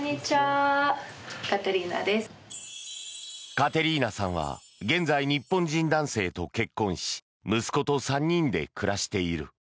カテリーナさんは現在、日本人男性と結婚し息子と３人で暮らしている。